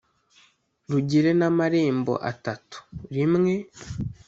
rugire n’amarembo atatu rimwe